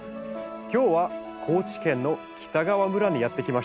今日は高知県の北川村にやって来ました。